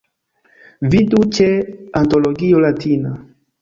Vidu ĉe Antologio Latina.